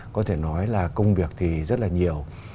có thể nói là công việc thì rất là nhiều